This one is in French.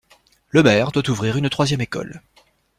Le maire doit ouvrir une troisième école.